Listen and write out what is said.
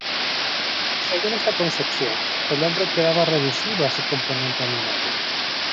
Según esta concepción, el hombre quedaba reducido a su componente animal.